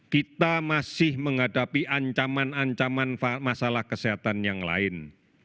kita masih menghadapi ancaman ancaman masalah kesehatan yang lain